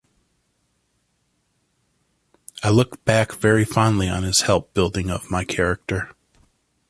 I look back very fondly on his help building of my character.